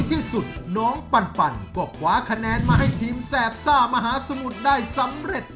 ที่สุดน้องปันก็คว้าคะแนนมาให้ทีมแสบซ่ามหาสมุทรได้สำเร็จ